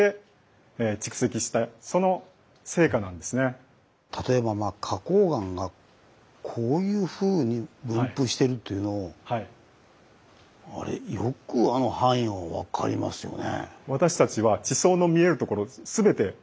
これが私たち例えば花こう岩がこういうふうに分布してるというのをあれよくあの範囲を分かりますよね。